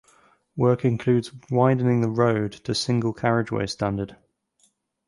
Work includes widening the road to single carriageway standard.